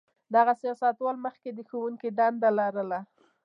دغه سیاستوال مخکې د ښوونکي دنده لرله.